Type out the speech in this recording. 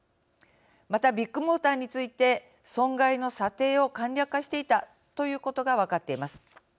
また、ビッグモーターについて損害の査定を簡略化していたということが分かっています。